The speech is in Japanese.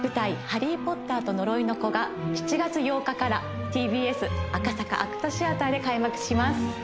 「ハリー・ポッターと呪いの子」が７月８日からＴＢＳ赤坂ＡＣＴシアターで開幕します